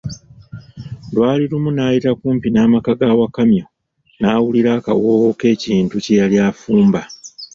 Lwali lumu n'ayita kumpi n'amaka ga Wakamyu n'awulira akawoowo k'ekintu kye yali afumba.